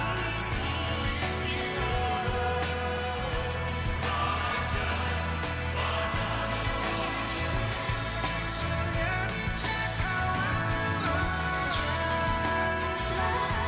dan kepala cu empat a angkatan bersenjata singapura